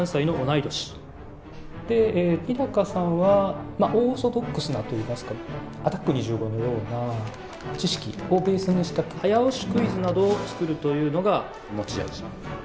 で日さんはまあオーソドックスなと言いますか「アタック２５」のような知識をベースにした早押しクイズなどを作るというのが持ち味。